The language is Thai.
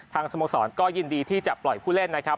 สโมสรก็ยินดีที่จะปล่อยผู้เล่นนะครับ